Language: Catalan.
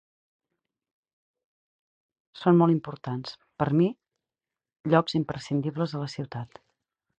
Són molt importants, per mi, llocs imprescindibles de la ciutat.